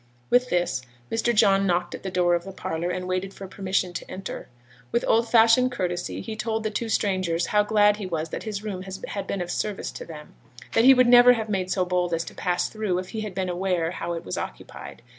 With this, Mr. John knocked at the door of the parlour, and waited for permission to enter. With old fashioned courtesy he told the two strangers how glad he was that his room had been of service to them; that he would never have made so bold as to pass through it, if he had been aware how it was occupied.